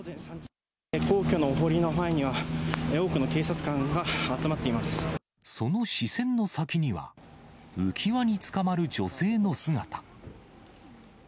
皇居のお堀の範囲には、その視線の先には、浮き輪につかまる女性の姿。